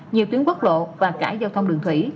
nhiều tuyến quốc lộ và cả giao thông đường thủy